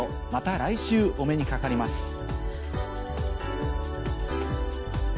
また来週お目にかかります。